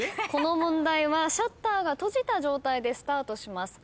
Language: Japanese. この問題はシャッターが閉じた状態でスタートします。